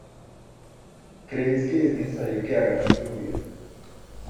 ¿Crees que es necesario que haga tanto ruido?